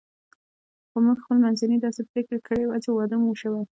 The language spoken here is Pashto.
خو موږ خپل منځي داسې پرېکړه کړې وه چې واده مو شوی.